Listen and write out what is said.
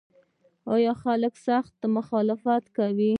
خلکو سخت مخالفت وکړ.